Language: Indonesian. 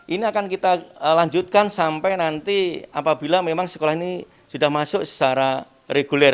ini akan kita lanjutkan sampai nanti apabila memang sekolah ini sudah masuk secara reguler